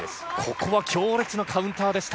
ここは強烈なカウンターでした。